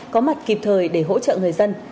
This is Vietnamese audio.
có mặt kịp thời để hỗ trợ người dân